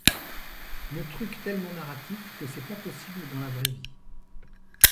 Le truc tellement narratif que c’est pas possible dans la vraie vie.